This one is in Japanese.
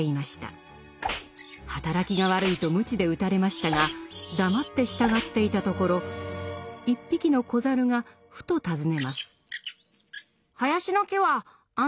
働きが悪いと鞭で打たれましたが黙って従っていたところ一匹の子猿がふと尋ねます。